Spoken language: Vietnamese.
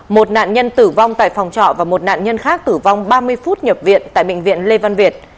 một nạn nhân tử vong tại phòng trọ và một nạn nhân khác tử vong ba mươi phút nhập viện tại bệnh viện lê văn việt